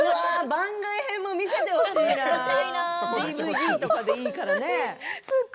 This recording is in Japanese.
番外編も見せてほしいなＤＶＤとかでいいからね。